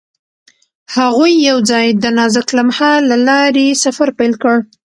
هغوی یوځای د نازک لمحه له لارې سفر پیل کړ.